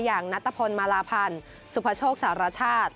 อย่างนัตตะพลมาลาพันธ์สุพชกสารชาติ